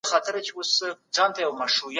د شپې تيارې ټول کلی نيولی و.